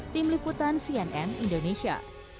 tim liputan cnn indonesia